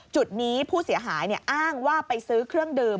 จุดนี้ผู้เสียหายอ้างว่าไปซื้อเครื่องดื่ม